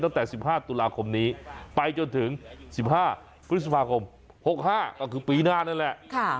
ตั้งแต่๑๕ตุลาคมนี้ไปจนถึง๑๕พฤษภาคม๖๕ก็คือปีหน้านั่นแหละ